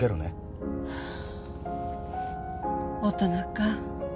あ大人か。